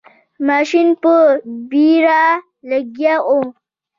ماشین په بیړه لګیا و.